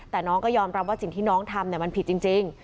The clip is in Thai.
แต่น้องก็ยอมรับว่าสิ่งที่น้องทำมันผิดจริง